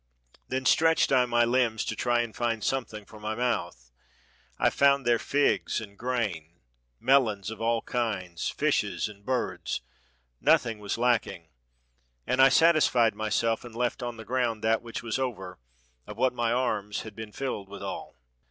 Then stretched I my limbs to try to find something for my mouth. I foimd there figs and grain, melons of all kinds, fishes, and birds. Nothing was lacking. And I satisfied my self; and left on the ground that which was over, of what my arms had been filled withal.